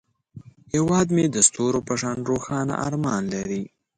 هیواد مې د ستورو په شان روښانه ارمان لري